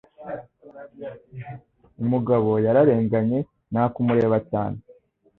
Umugabo yararenganye nta kumureba cyane.